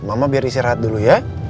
mama biar istirahat dulu ya